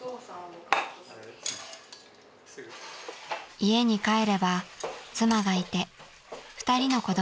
［家に帰れば妻がいて２人の子供がいます］